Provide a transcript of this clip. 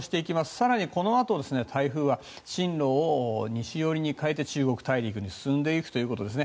更に、このあと台風は進路を西寄りに変えて中国大陸に進んでいくということですね。